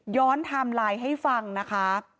ไทม์ไลน์ให้ฟังนะคะ